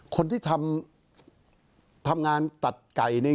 คนที่ทำงานตัดไก่